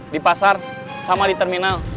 di pasar sama di terminal